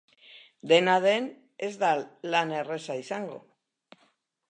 Dena den, ez da lan erraza izango.